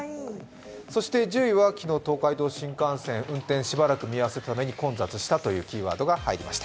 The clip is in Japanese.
そして１０位は昨日東海道新幹線、運転を見合わせたために混雑したというキーワードが入りました。